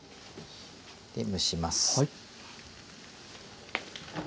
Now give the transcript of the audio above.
蒸します。